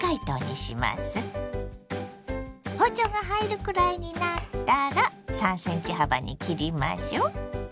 包丁が入るくらいになったら３ｃｍ幅に切りましょ。